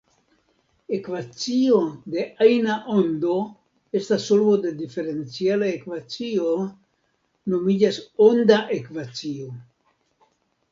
Ekvacio de ajna ondo estas solvo de diferenciala ekvacio, nomiĝas "«onda ekvacio»".